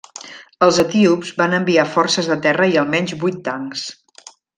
Els etíops van enviar forces de terra i almenys vuit tancs.